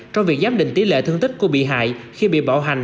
trong việc giám định tỷ lệ thương tích của bị hại khi bị bạo hành